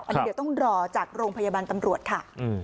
อันนี้เดี๋ยวต้องรอจากโรงพยาบาลตำรวจค่ะ